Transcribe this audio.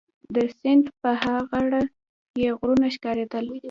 د سیند په ها غاړه کي غرونه ښکارېدل.